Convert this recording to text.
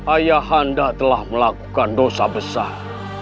ayah handa telah melakukan dosa besar